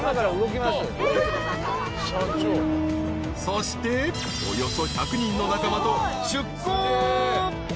［そしておよそ１００人の仲間と出港］